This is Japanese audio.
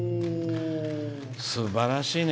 すばらしいね。